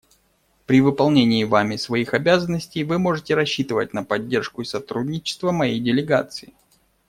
При выполнении вами своих обязанностей вы можете рассчитывать на поддержку и сотрудничество моей делегации.